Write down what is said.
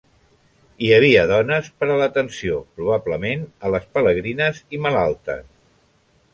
Hi havia dones per a l'atenció, probablement, a les pelegrines i malaltes.